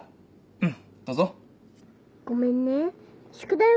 うん。